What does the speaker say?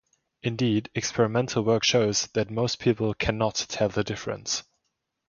Indeed, experimental work shows that most people cannot tell the difference.